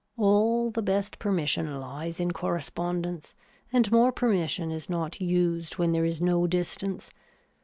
All the best permission lies in correspondence and more permission is not used when there is no distance.